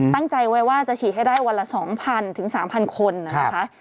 ตั้งใจไว้ว่าจะฉีดให้ได้วันละ๒๐๐ถึง๓๐๐คนนะคะ